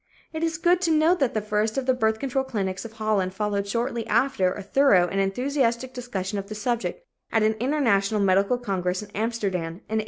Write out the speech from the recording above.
It is good to know that the first of the birth control clinics of Holland followed shortly after a thorough and enthusiastic discussion of the subject at an international medical congress in Amsterdam in 1878.